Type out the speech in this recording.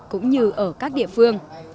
cũng như ở các địa phương